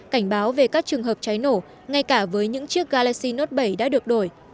cảnh báo về các trường hợp cháy nổ ngay cả với những chiếc galaxy note bảy đã được đổi